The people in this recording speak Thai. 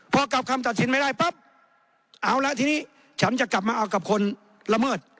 พอกลับคำตัดสินไม่ได้ปั๊บเอาละทีนี้ฉันจะกลับมาเอากับคนละเมิด